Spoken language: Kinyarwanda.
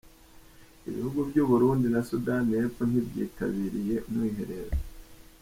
Ibihugu by’u Burundi na Sudani y’Epfo ntibyitabiriye umwiherero.